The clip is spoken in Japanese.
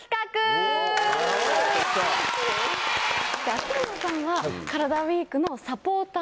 秋山さんは「カラダＷＥＥＫ」のサポーター。